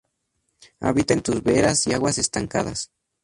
Habita en turberas y aguas estancadas.